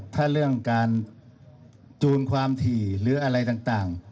ถ้าเรื่องการจูนความถี่หรืออะไรต่าง